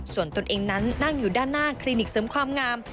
ส่วนตนเองนั้นนั่งอยู่ด้านหน้าคลินิกเสริมความงาม